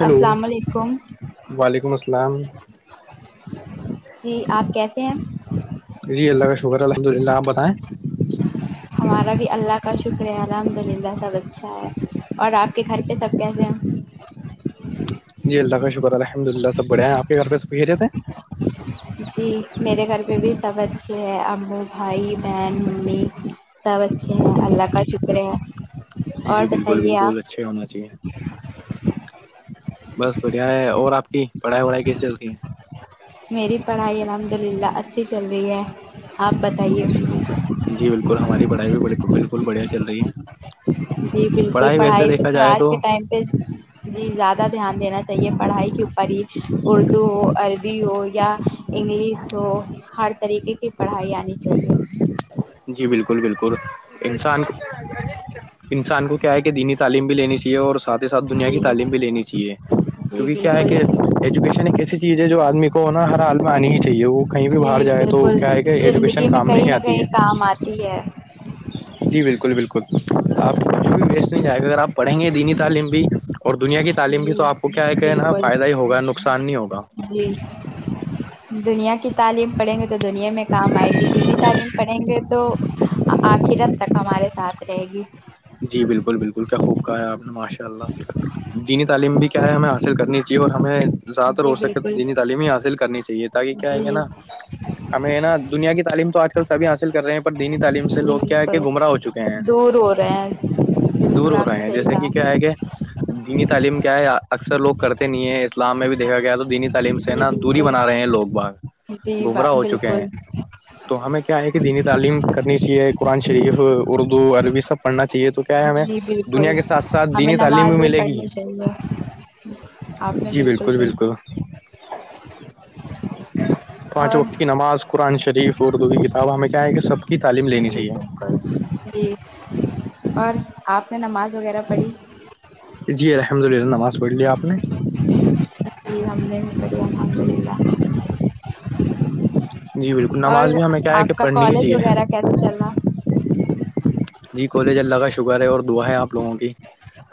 hello السلام علیکم وعلیکم السلام جی آپ کیس ہیں جی اللہ کا شکر الحمد للہ آپ بتائیں ہمارا بھی اللہ کا شکر ہے الحمد للہ سب بچہ ہے اور آپ کے گھر پہ سب کیسے ہیں جی اللہ کا شکر الحمد للہ سب بڑے ہیں آپ کے گھر پہھیریے تھے جی میرے گھر پہ بھی سب اچھے ہیں ابو بھائی بہن ممی سب اچھے ہیں اللہ کا شکر ہے جی اور بالکل بتائیے بالکل آپ اچھے ہونا چاہیے بس بریا ہے اور اپ کی پڑھائی کیسی ہوتی ہیں میری پڑھائی الحمد للہ اچھی چل رہی ہے آپ ہے بتائیے جی جی بالکل جی بالکل ہماری پڑھائی بھی بالکل بالکل بڑھیا چل رہی ہے جی بالکل ویسے پڑھائی سے دیکھا تو جائے آج کے ٹائم پہ جی زیادہ دھیان دینا چاہیے پڑھائی کے اوپر ہی اردو ہو عربی ہو یا انگلش ہو ہر طریقے کی پڑھائی آنی چاہیے جی بالکل بالکل انسان انسان کو کیا ہے کہ دینی تعلیم بھی لینی چاہیے اور ساتھ ہی ساتھ دنیا جی کی تعلیم بھی لینی چاہیے جی کیونکہ کیا ہے بالکل کہ ایجوکشن ایک ایسی چیز ہے جو آدمی کو نا ہر حال میں آنی ہی چاہیے وہ کہیں بھی باہر جی جائے تو بالکل کیا ہے کہ ایجوکیشن کام نہیں آتی ہے تیی ہے جی بالکل بالکل آپ کچھ بھی ویسٹ نہیں جائے گا اگر آپ پڑھیں گے دینی تعلیم بھی اور دنیا کی تعلیم بھی جی تو آپ کو کیا ہے کہ ہے نا بالکل فائدہ ہی ہوگا نقصان نہیں ہوگا جی دنیا کی تعلیم پڑھیں گے تو دنیا میں کام آئے گی دینی تعلیم پڑھیں گے تو آخرت تک ہمارے ساتھ رہے گی جی بالکل بالکل کیا خوب کہا ہے آپ نے ماشاء اللہ دینی تعلیم بھی کیا ہے ہمیں حاصل کرنی جی اور ہمیں زیادہ تر جی ہو سکے بالکل دینی تعلیم ہی حاصل کرنی چاہیے تاکہ کیا ہے کیا جی نا ہمیں نا دنیا کی تعلیم تو آج کل سبھی حاصل کر رہے ہیں پر دینی تعلیم سے جی لوگ کیا ہے کہ بالکل گمراہ ہو چکے ہیں دور ہو رہے ہیں دور بالکل ہو آپ نے رہے ہیں صحیح جیسے کہا کہ کیا ہے کہ دینی تعلیم کیا ہے اکثر لوگ کرتے نہیں ہیں اسلام میں بھی دیکھا گیا تو دینی تعلیم سے جی نا دوری بالکل بنا رہے ہیں لوگ باگ جی گمراہ ہو چکے بالکل ہیں تو ہمیں کیا ہے کہ دینی تعلیم کرنی چاہیے قرآن شریف اردو عربی سب پڑھنا چ یہ تو کیا ہے ہمیں جی بالکل دنیا کے ساتھ ساتھ ہمیں دینی تعلیم بھی نمازیں ملے گی پڑھنی چاہیے آپ نے جی بالکل بالکل صحیح بالکل کہا پانچ اور وقت کی نماز قرآن شریف اردو کی کتاب ہمیں کیا ہے کہ سب کی تعلیم لینی جی بالکل چاہیے جی اور آپ نے نماز وغیرہ پڑھی جی الحمد للہ نماز پڑھ لیا آپ نے رحمد الحمد للہ جی بالکل اور نماز بھی ہمیں کیا ہے کہ آپ کا پڑھنی ہی کالج چاہیے وغیرہ کیسے چل رہا جی کولج اللہ کا شکر ہے اور دعا ہے آپ لوگوں کی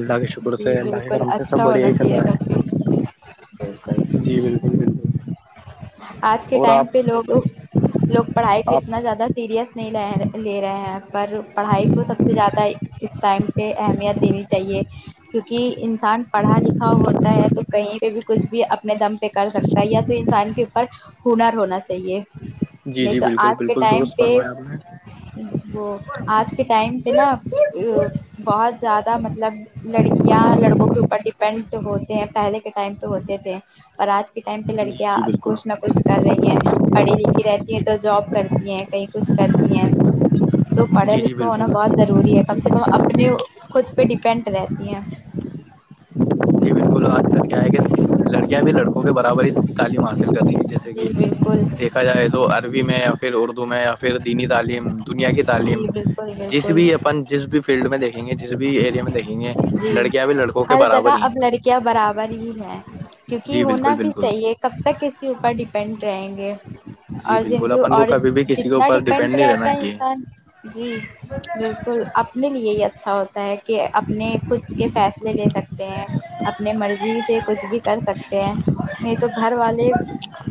اللہ کے شکر جی سے اللہ کے بالکل کرم سے سب بڑھیا ہی چل رہا ہے بالکئی جی بالکل بالکل آج کے اور ٹائم آپ پہ لوگ لوگ پڑھائی پ آپ اتنا زیادہ سیریس نہیں لے لے رہے ہیں پر پڑھائی کو سب سے زیادہ اس ٹائم پہ اہمیت دینی چاہیے کیونکہ انسان پڑھا لکھا ہوتا ہے تو کہیں پ بھی کچھ بھی اپنے دم پہ کر سکتا ہے یا توھر انسان کے اوپر ہنر ہونا چاہیے جی نہیں جی تو بالکل آج کے بالکل ٹائم درست پہ فرمایا آپ نے وہ آج کے ٹائم پہ نا بہت زیادہ مطلب لڑکیاں لڑکوں کے اوپر ڈیپینڈ ہوتے ہیں پہلے کے ٹائم پہ ہوتے تھے اور آج کے ٹائم پہ جی لڑکیاں جی بالکل کچھ نہ کچھ کر رہی ہیں پڑھی لکھی رہتی ہیں تو جاب کرتی ہیں کہیں کچھ کرتی ہیں تو پڑھے جی جی لکھے ہونا بالکل بہت ضروری ہے کم سے کم اپنے خود پہ ڈیپینڈ رہتی ہیں بالک آج ت کہ لڑکیاں بھی لڑکوں کے برابر ہی تعلیم حاصل کرتی ہیں جیسے کہ جی بالکل دیکھ دیکھا جائے تو عربی میں یا پھر اردو میں یا پھر دینی تعلیم دنیا کی جی تعلیم بالکل جس بالکل بھی اپن جس بھی فیلڈ میں دیکھیں گے جس بھی ایرے میں دیکھیں گے لڑکیاں بھی لڑکوں کے برابر ہی ہیں کیا برابر ہی ہے کیونکہ جی بالکل ہونا بھی بالکل چاہیے کب تک ک کے اوپر ڈیپینڈ رہیں گے جی اور جن بالکل کی اپن ع کو کبھی بھی کسی کے جتنا اوپر ڈیپینڈ نہیں رہنا رہتا ہے چاہیے انسان جی بالکل اپنے لیے ہی اچھا ہوتا کہ اپنے خود کے فیصلے لے سکتے ہیں اپنے مرضی سے کچھ بھی کر سکتے ہیں نہیں تو گھر والے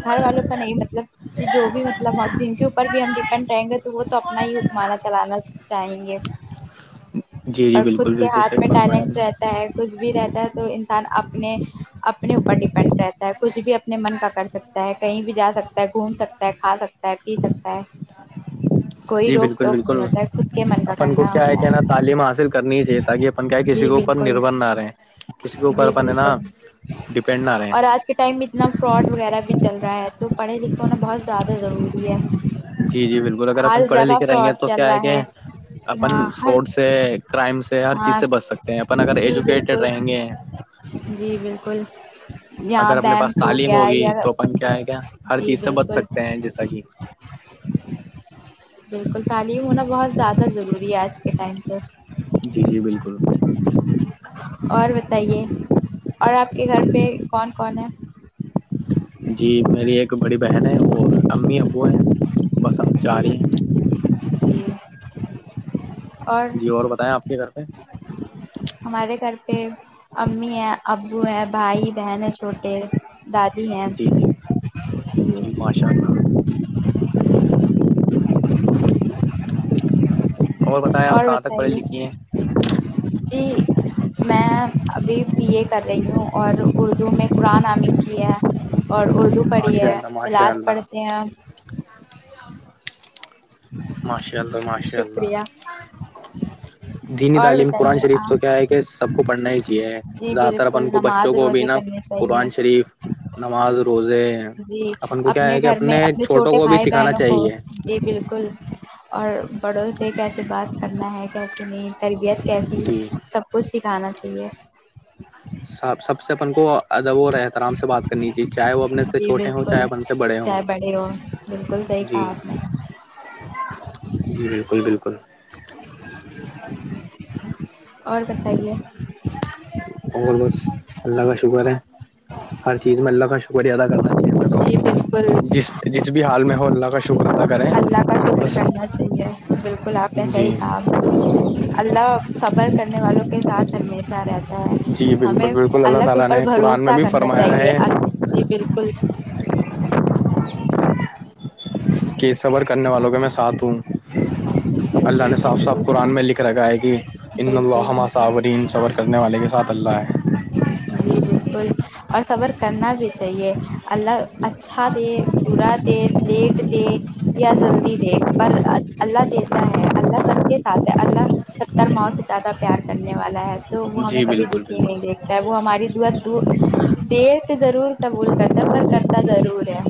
گھر والوں کا نہیں مطلب جو بھی مطلب جن کے اوپر بھی ہم ڈیپینڈ رہیں گے تو وہ تو ن ہی حکمانہ چلانا چاہیں گے جی جی اور خود بالکل کے بالکل ہاتھ صحیح میں فرمایا آپ ٹیلنٹ نے رہتا ہے کچھ بھی رہتا ہے تو انسان اپنے اپنے اوپر ڈیپینڈ رہتا ہے کچھ بھی اپنے من کا کر سکتا سکتا ہے کہیں بھی جا سکتا ہے گھوم سکتا ہے کھا سکتا ہے پی سکتا ہے کوئی جی روک بالکل ٹوک نہیں بالکل ہوتا ہے خود کے من کا اپن کو کرنا کیا ہے ہوتا کیا نا تعلیم حاصل کرنی ہی چاہیے تاکہ کیا کسی جی کے اوپر بالکل نربر نہ رہے کسی کے اوپر جی اپن ہے نا بالکل ڈپینڈ نہ رہے اور آج کے ٹائم اتنا فراڈ وغیرہ بھی چل رہا ہے تو پڑھے لکھ کے ہونا بہت زیادہ ضروری ہے جی جی بالکل اگر ہر اپن پڑھے جگہ لکھے رہیں گے فراڈ تو کیا چل ہے رہا کہ ہاں اپن ہر فراڈ سے کرائم سے ہر چیز ہاں سے بچ سکتے ہیں اپن اگر جی ایجوکیٹڈ بالکل رہیں گے جی بالکل یہاں اگر اپنے پاس بینک ہو تعلیم گیا ہوگی یا تو اپن کیا ہے کیا ہر جی چیز سے بچ بالکل سکتے ہیں جیسا کہ بالکل تعلیم ہونا بہت زیادہ ضروری ہے آج کے ٹائم پہ جی جی بالکل اور بتائیے اور آپ کے گھر پہ کون کون ہے جی میری ایک بڑی بہن ہے اور امی ا جی جی جی اور بتائیں آپ کے گھر پہ ہمارے گھر پہ امی ہیں ابو ہیں بھائی بہن ہیں چھوٹے دادی ہیں جی جی جی ماشاء اللہ بتائیں آپ اور کہاں تک پڑھے بتائیے لکھی [unintelligible] جی میں ابھی بی اے کر رہی ہوں اور اردو میں قرآن عامد کی ہے اور اردو پڑھی ہے ملاد پڑھتے ہیں جان نہیں آتا ماشاء اللہ ماشاء شکریہ اللہ دینی اور تعلیم قرآن بتائیے شریف تو کیا آپ ہے کہ سب کو پڑھنا ہی چاہیے ہے جی زیادہ تر بالکل اپن کو بچوں نماز کو روزے بھیناا کرنے چاہیے نماز روزے جی اپن کو کیا اپنے ہے کہ گھر میں اپنے چھوٹوں چھوٹے کو بھی بھائی سکھانا بہنوں کو چاہیے جی بالکل اور بڑوں سے کیسے بات کرنا ہے کیسے نہیں تربیت کیسی جی سب کچھ سکھانا چاہیے سب سب سے اپن کو ادب اور احترام سے بات کرنی چاہ چاہے وہ اپنے سے جی چھوٹے ہوں چاہے بالکل اپن سے بڑے چاہے ہوں ہو بالکل صحیح جی کہا آپ نے جی بالکل بالکل اور کتائی کی مگل بس اللہ کا شکر ہے ہر چیز میں اللہ کا شکریہ ادا کرنا جی بالکل چاہی جس جس بھی حال میں ہو اللہ کا شکر ادا کریں فکر بس کرنا چاہیے بالکل آپ نےسح ہی جی کام اللہ صبر کرنے والوں کے ساتھ المی رہتا جی ہے ہمیں بالکل بالکل اللہ کے تعالی اوپر نے قرآن میں بھروسہ بھی کرنا فرمایا چاہیے ہے جی بالکل کی صبر کرنے والوں کے میں ساتھ ہوں اللہ جی نے صاف صاف بالکل قرآن میں لکھ رکھا ہے کہ بالکل بالکل صبرکرنے والے کے ساتھ اللہ ہے جی بالکل اور خبر کرنا بھی چاہیے اللہ اچھا دے برا دے لیٹ دے یا جلدی دے پر اللہ دیتا ہے اللہ سب کے ساتھ ہے اللہ ستر ماؤ سے زیادہ پیار کرنے والا ہے تو وہ ہمیں جی کبھی بالکل دکھی بالکل نہیں دیکھتا ہے وہ ہماری دعا دور دیر سے ضرور قبول کرتا ہے پر کرتا ضرور ہے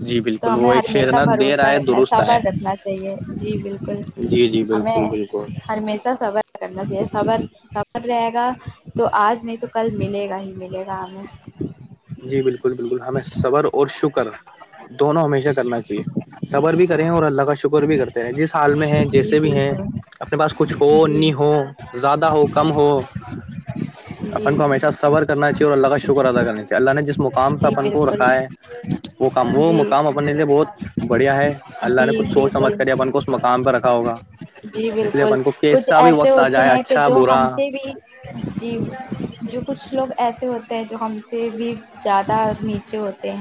جی تو بالکل ہمیں وہ ایک شعر ہمیشہ نا دیر بھروسہ آئے رکھنا ہے درست آئے صبر رکھنا چاہیے جی بالکل جی جی ہمیں بالکل بالکل ہمیشہ صبر کرنا چاہے صبر خبر رہے گا تو آج نہیں تو کل ملے گا ہی ملے گا ہمیں جی بالکل بالکل ہمیں صبر اور شکر دونوں ہمیشہ کرنا چاہیےصبر بھی کریں ہیں اور اللہ کا شکر بھی کرتے ہیں جس حال میں ہے جی جیسے بھی ہیں بالکل اپنے پاس کچھ ہو جی نہیں ہو زیادہ ہو کم ہو جی اپن کو ہمیشہ صبر کرنا چاہیے اور اللہ کا شکر ادا کرنا چاہیے اللہ نے جس مقام پہ جی اپن کو بالکل رکھا ہے وہ کام وہ جی مقام اپ اپنے لیے بہت بڑھیا ہے اللہ نے جی کچھ سوچ سمجھ بالکل کر اپن کو اس مقام پہ رکھا ہوگا جی اس لیے بالکل اپن کو کچھ کیسا بھی ایسے وقت آ ہوتے جائے ہیں کہ اچھا جو برا ہم سے جی جو کچھ لوگ ایسے ہوتے ہیں جو ہم سے بھی زیادہ نیچے ہوتے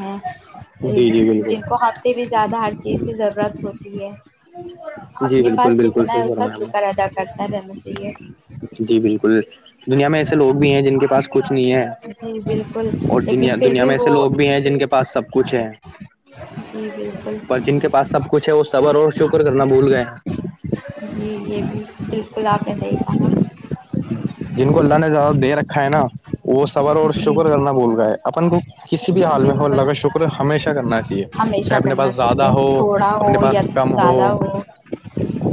جی جی جن کو ہفتے میں بالکل زیادہ ہر چیز کی ضرورت ہوتی ہے جی اپنے بالکل پاس بالکل جتنا ہے صحیح اس کا فرمایا آپ شکر نے ادا کرتا رہنا چاہیے جی بالکل دنیا میں ایسے لوگ بھی ہیں جن کے پاس کچھ نہیں ہے جی بالکل اور لیکن دنیا پھر دنیا بھی میں ایسے وہ لوگ بھی ہیں جن کے پاس سب کچھ ہے جی بالکل پر جن کے پاس سب کچھ ہے وہ صبر اور شکر کرنا بھول گئے ہیں جی جی بھی بالکل آپ نے دیکھا ہے جن کو اللہ نے زیادہ دے رکھا ہے نا وہ صبر اور جی شکر کرنا بھول گئے اپن کو کسی بھی حال میں ہو بالکل الله کا شکر ہمیشہ کرنا چاہیے ہمیشہ چاہے اپنے کرنا پاس زیادہ چاہیے ہو تھوڑا اپنے ہو یا پاس کم ہو زیادہ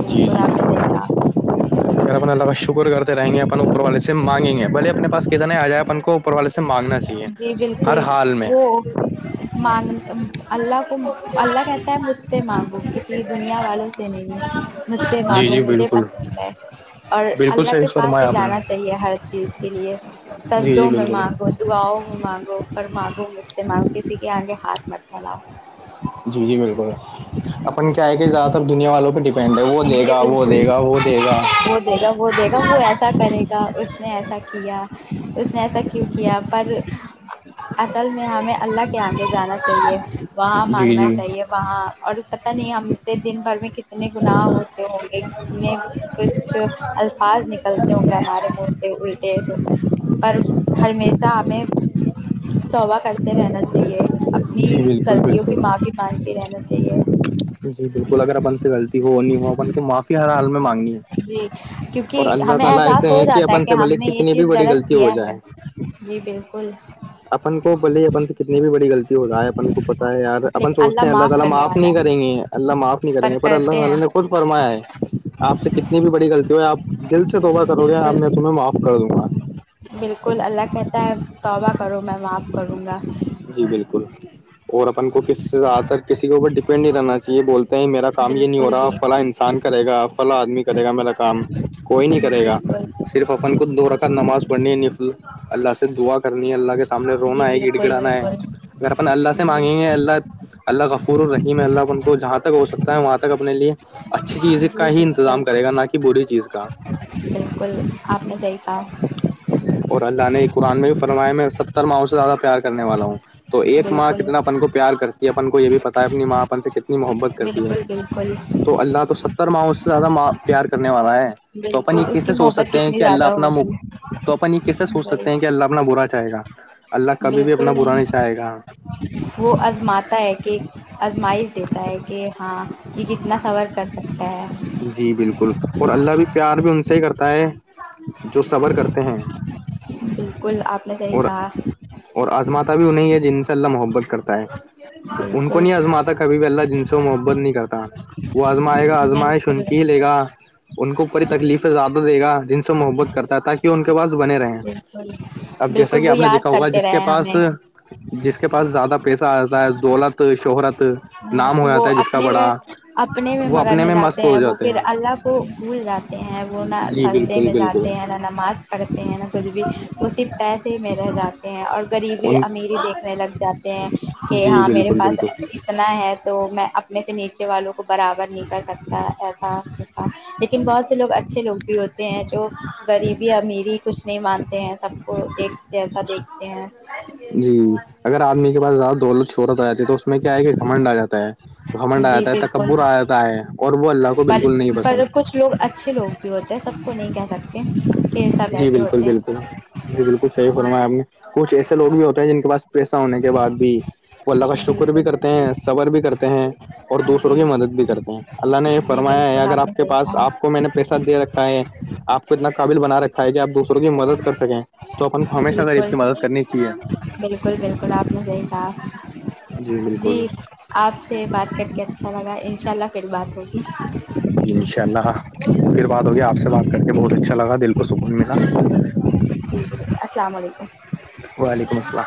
جی جی [unintelligible] اگر اپ اللہ کا شکر کرتے رہیں گے اپن اوپر والے سے مانگیں گے بھلے اپنے پاس کتنے آ جائے اپن کو اوپر والے سے مانگنا چاہیے جی ہر بالکل حال میں وہ مانگ اللہ کو اللہ کہتا ہے مجھ سے مانگو کسی دنیا والوں سے نہیں مجھ سے ما جی نگو جی مجھے بالکل پسند ہے اور بالکل اللہ صحیح کے پاس فرمایا ہی آپ نے جانا چاہیے ہر چیز کے لیے جی تردوں جی میں بالکل ماںگو دعاؤں میں مانگو اور مانگو استعمال کسی کے آگے ہاتھ مت [unintelligible] جی جی بالکل اپن کیا ہے کہ زیادہ تر دنیا والوں پہ ڈیپینڈ ہے وہ دے جی گا وہ بالکل دے گا وہ دے گا وہ دے گا وہ دے گا وہ ایسا کرے گا اس نے ایسا کیا کیا اس نے ایسا کیوں کیا پر اصل میں ہمیں اللہ کے آگے جانا چاہیے وہاں جی مانگنا جی چاہیے وہاں اور پتا نہیں ہم دن بھر میں کتنے اتنے گناہ ہوتے ہوں گے اتنے کچھ الفاظ نکلتے ہوں گے ہمارے منہ سے پر ہمیشہ ہمیں توبا کرتے رہنا چاہیے اپنی جی بالکل غلطیوں کی بالکل ماں پی مانتی رہنا چاہیے جی بالکل اگر اپن سے غلطی ہو نہیں ہون کو معافی ہر حال میں مانگنی ہے جی اور کیونکہ اللہ ہمیں تعالی احساس ایسے ہو ہیں جاتا ہے اپن کہ سے ہم بھلے نے یہ کتنی بھی چیز بڑی غلط غلطی ہو کیا جائے ہے جی بالکل اپن کو بلے ہی اپن سے کتنی بھی بڑی غلط ہو رہا ہے اپن کو پتتا ہے یار اپن لیکن سوچتے ہیں اللہ تعالی کرنے معاف والا نہیں ہے کریں گے اللہ معاف نہیں کریں گے پر کرتے اللہ ہیں تعالی نے خھ فرما ہے آپ سے کتنی بھی بڑی غلطی ہو آپ دل سے توبہ کرو گیا اب بالکل میں تمہیں معاف کر دوں گا بالکل اللہ کہتا ہے توبہ کرو میں معاف کروں گا جی بالکل اور اپن کو کسی سے زیادہ تر کسی کے اوپر ڈیپینڈ نہیں رہنا چاہیے بولتے ہیں میرا کام یہ نہیں ہو بالکل رہا بھی فلا انسان کرے گا فلا آدمی کرے گا میرا کام کوئی نہیں کرے گا بالکل صرف اپن کو دو رکھا نماز پڑنی ہے نفل اللہ سے دعا کرنی ہے اللہ کے سامنے جی رونا ہے گ بالکل بالکل اگر اپن اللہ سے جی مانگیں گے اللہ اللہ گفور اور رحیم اللہن کو جہاں تک ہو سکتا ہے وہاں تک اپنے لیے اچھی چیز کا جی ہی بالکل انتظام کرے گا نہ کہ بری چیز کا بالکل آپ نے دیکھا اور اللہ نے قرآن میں بھی فرمایا میں ستر ماؤں سے زیادہ پیار کرنے والا ہوں تو ایک ماں بالکل کتنا اپن کو پیار کرتی ہے اپن کو یہ بھی پتا ہے اپنی ماں اپن سے کتنی محبت کرتی ہے بکل بالکل تو اللہ تو ستر ما سے زیادہ ماں پیار کرنے والا ہے تو اپن بالکل ایکی اس کی سے سوچ محبت سکتے ہیں کتنی کہ اللہ زیادہ اپنا ہوگی تو اپن یہ کیسے سوچ وہی سکتے ہیں کہ اللہ اپنا برا چاہے گا اللہ کے بالکل نہیں جائے گا وہ عزم آتا ہے کہ آزمائش دیتا ہے کہ ہاں یہ کتنا سور کر سکتا ہے جی بالکل اور اللہ بھی پیار بھی ان سے کرتا ہے جو صبر کرتے ہیں بالکل آپ نے صحی اور کہا اور آزماتا بھی انہیں ہے جن سے اللہ محبت کرتا ہے ان کو بالکل نہیں آزماتا کبھی بھی اللہ جن سے محبت نہیں کرتا وہ آزمائے گا آزمائے بالکل سنک ہی لے گا ان کو پی تکلیفیں زیادہ دے گا جن سے محبت کرتا ہے تاکہ وہ ان کے پاس بنے رہے ہیں بالکل اب جیسا کہ وہ آپ نے دیکھا یاد ہوا کرتے جس کے رہے پاس ہمیں جس کے پاس زیادہ پیسہ آتا ہے دولت شہرت ہم، نام ہو جاتا وہ ہے جس کا اپنے میں بڑا اپنے وہ مگن اپنے میں مست ہو وہ جاتے پھر ہیں اللہ کو گول جات ہیں وہ نہ جی سسدے بالکل میں بالکل جاتے ہیں نہ نماز پڑھتے ہیں نہ کچھ بھی اسی پیسے میں رہ جاتے اور غریبی ان امری دیکھنے لگ جاتے ہیں کہ جی ہاں میرے بالکل پاس بالکل اتنا ہے تو میں اپنے سے نیچے والوں کو برابر نہیں کر سکتا ای تھا لیکن بہت لوگ اچھے لوگ بھی ہوتے ہیں جو غریبی امیری کچھ نہیں مانتے ہیں سب کو ایک جیسا دیکھتے ہیں جی اگر آدمی کے پاس زیادہ دولت شہورت آ جاتی ہے تو اس میں کیا ہے کہ گھمنڈ آ جاتا ہے گھمنڈ آ جی جا ہے بالکل تکبر آ جاتا ہے اور وہ اللہ کو پر بالکل نہیں پر پسند کچھ لوگ اچھے لوگ بھی ہوتے سب کو نہیں کہہ سکتے پ سب جی ایسے بالکل ہوتے بالکل ہیں جی بالکل صحیح فرمایا آپ نے کچھ ایسے لوگ بھی ہوتے ہیں جن کے پاس پیسہ ہونے کے بعد بھی وہ اللہ کا شکر بھی بالکل کرتے ہیں صبر بھی کرتے ہیں اور دوسروں کی جی مدد بھی کرتے ہیں اللہ نے یہ جی فرمایا ہے بالکل اگر نے آپ کے صحیح پاس کہا آپ کو میں نے پیسہ دے رکھا ہے آپ کو اتنا قابل بنا رکھا ہے کہ آپ دوسروں کی مدد کر سکیں تو اپ بالکل کرنی چاہیے بالکل بالکل آپ نے صی صاب جی آپ سے بات کر کے اچھا لگا ان شاء اللہ پھر بات ہوگی [unintelligible] جی انشاء اللہ پھر بات ہوگیا آپ سے بات کر کے بہت اچھا لگا دل کو سکون ملا [inaudible] وعلیکم السلام